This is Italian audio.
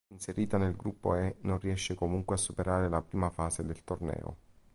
Inserita nel Gruppo E non riesce comunque a superare la prima fase del Torneo.